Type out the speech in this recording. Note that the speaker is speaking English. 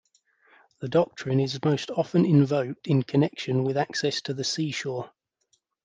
The doctrine is most often invoked in connection with access to the seashore.